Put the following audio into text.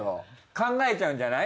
考えちゃうんじゃない？